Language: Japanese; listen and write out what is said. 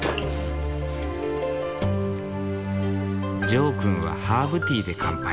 ジョーくんはハーブティーで乾杯。